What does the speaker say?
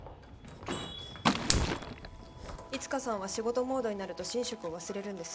いつかさんは仕事モードになると寝食を忘れるんです。